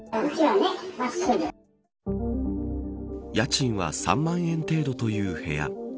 家賃は３万円程度という部屋。